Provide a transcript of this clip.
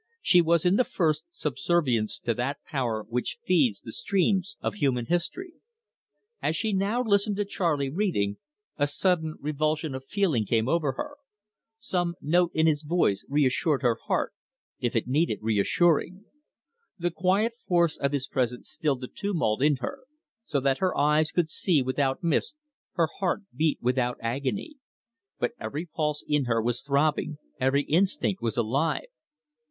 She was in the first subservience to that power which feeds the streams of human history. As she now listened to Charley reading, a sudden revulsion of feeling came over her. Some note in his voice reassured her heart if it needed reassuring. The quiet force of his presence stilled the tumult in her, so that her eyes could see without mist, her heart beat without agony; but every pulse in her was throbbing, every instinct was alive.